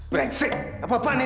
brengsek apa apaan ini